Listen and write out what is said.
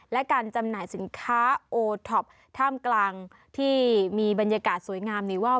และการจำหน่ายสินค้าโอท็อปท่ามกลางที่มีบรรยากาศสวยงามนี่ว่าว